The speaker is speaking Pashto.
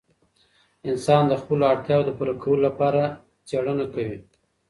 انسان د خپلو اړتیاوو د پوره کولو لپاره څېړنه کوي.